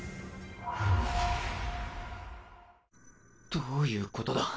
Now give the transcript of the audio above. どういうことだ